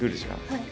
はい。